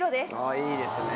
あいいですね。